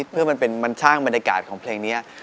เพื่อมันสร้างบรรยากาศของเพลงนี้